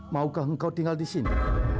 maukah engkau tinggal di sini